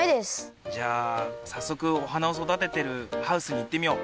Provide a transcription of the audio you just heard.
じゃあさっそくお花を育ててるハウスにいってみよう。